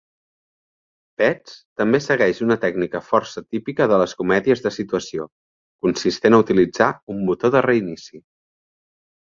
"Pets" també segueix una tècnica força típica de les comèdies de situació, consistent a utilitzar un "botó de reinici".